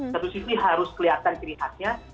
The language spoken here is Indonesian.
satu sisi harus kelihatan kiri hatinya